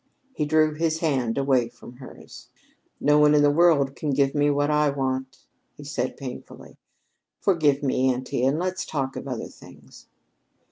He drew his hand away from hers. "No one in the world can give me what I want," he said painfully. "Forgive me, auntie; and let's talk of other things."